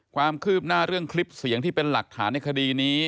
ความคืบหน้าเรื่องคลิปเสียงที่เป็นหลักฐานในคดีนี้